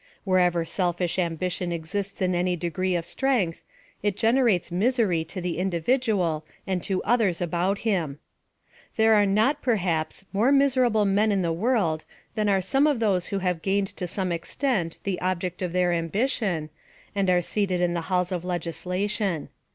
Wherever selfish ambition exists in any degree of strength, it generates misery to the individual and to others about him. There are not, perhaps, more miserable men in the world than are some of those who have gained to some extent the object of their ambition, and are seated in the halls of legislation.